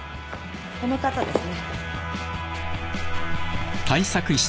この方ですね。